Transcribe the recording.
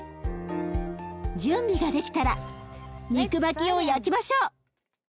準備ができたら肉巻きを焼きましょう。